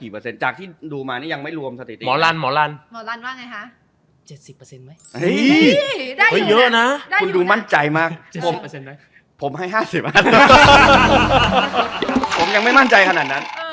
พอถามหน่อยที่ผ่านเหมาะ